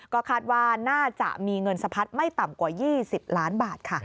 ก็คาดว่าน่าจะมีเงินสะพัดไม่ต่ำกว่า๒๐ล้านบาทค่ะ